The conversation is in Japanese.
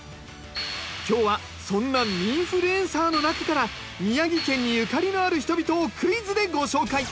今日はそんな民フルエンサーの中から宮城県にゆかりのある人々をクイズでご紹介。